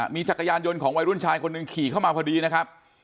มีจักรยานยนต์ของวัยรุ่นชายคนหนึ่งขี่เข้ามาพอดีนะครับ